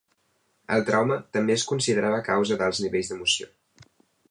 El trauma també es considerava causa d'alts nivells d'emoció.